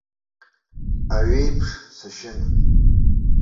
Аҩеиԥш сашьын.